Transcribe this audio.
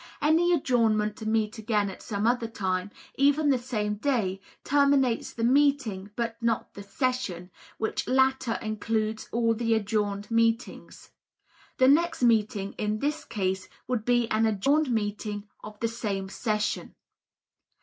An adjournment to meet again at some other time, even the same day, terminates the meeting, but not the session, which latter includes all the adjourned meetings. The next meeting, in this case, would be an "adjourned meeting" of the same session.